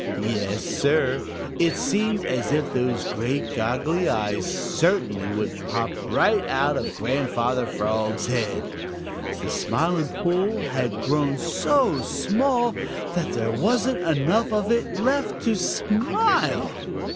Yes, Sir, it seemed as if those great goggly eyes certainly would pop right out of Grandfather Frog's head. The Smiling Pool had grown so small that there wasn't enough of it left to smile!